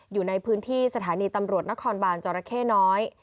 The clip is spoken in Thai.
อยู่ในพื้นที่สถานีตำรวจนครบานจรเข้น้อย